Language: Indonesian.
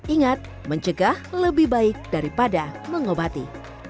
ingat mencegah lebih baik daripada mengobati